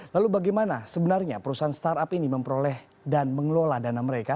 lalu bagaimana sebenarnya perusahaan startup ini memperoleh dan mengelola dana mereka